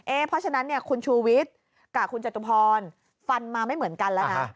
เพราะฉะนั้นเนี่ยคุณชูวิทย์กับคุณจตุพรฟันมาไม่เหมือนกันแล้วนะ